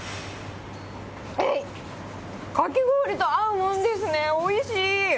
えっ、かき氷と合うもんですね、おいしい。